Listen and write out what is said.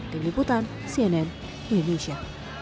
tim liputan cnn indonesia